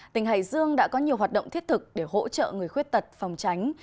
tỉnh hải dương đã có nhiều hoạt động thiết thực để hỗ trợ người khuyết tật phòng tránh